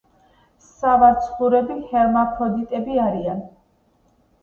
სავარცხლურები ჰერმაფროდიტები არიან.